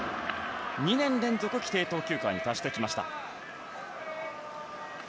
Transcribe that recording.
２年連続規定投球回に達してきました。